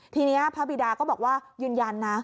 ทีนี้พระบิดาก็บอกว่ายืนยันนะ